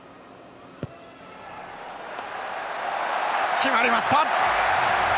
決まりました！